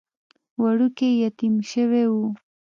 وړوکی يتيم شوی و.